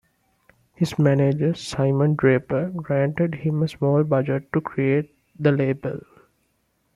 His manager, Simon Draper granted him a small budget to create the label.